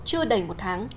chưa đầy một tháng